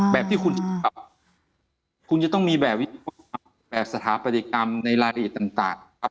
อ๋อแบบที่คุณยังว่าคุณจะต้องมีแบบสถาปนิกในรายละเอียดต่างครับ